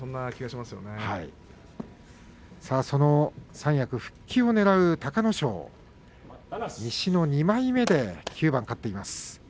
三役復帰をねらう隆の勝西の２枚目で９番勝っています。